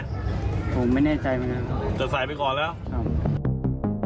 โดนลงไหนนะจดสายไปก่อนแล้วครับผมไม่แน่ใจนะ